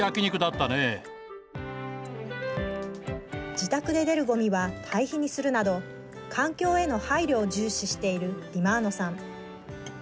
自宅で出るゴミはたい肥にするなど環境への配慮を重視しているディマ−ノさん。